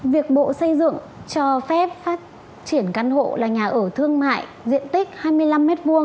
việc bộ xây dựng cho phép phát triển căn hộ là nhà ở thương mại diện tích hai mươi năm m hai